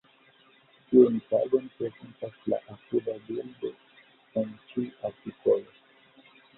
Tiun tagon prezentas la apuda bildo en ĉi artikolo.